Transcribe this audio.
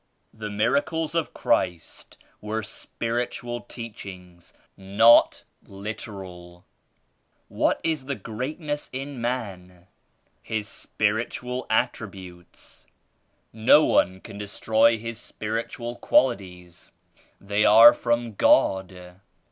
" "The miracles of Christ were spiritual teach ings, not literal." 12 f ("What is true greatness in man?" "His spiritual attributes. No one can destroy ,his spiritual qualities; they are from God."